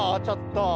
ちょっと！